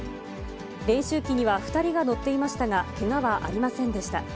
練習機には２人が乗っていましたが、けがはありませんでした。